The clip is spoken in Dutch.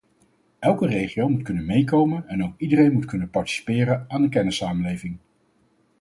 Elke regio moet kunnen meekomen en ook iedereen moet kunnen participeren aan de kennissamenleving.